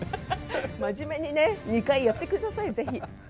真面目にね２回やってください、ぜひ。